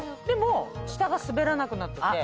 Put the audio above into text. でも下が滑らなくなってて。